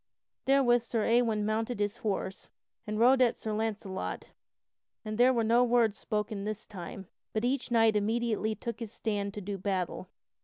Therewith Sir Ewain mounted his horse and rode at Sir Launcelot, and there were no words spoken this time, but each knight immediately took his stand to do battle.